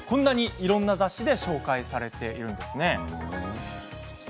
いろんな雑誌で紹介されています。